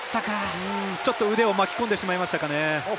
ちょっと腕を巻き込んでしまいましたかね。